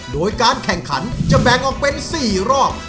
โดยการแข่งขันจะแบ่งออกเป็น๔รอบ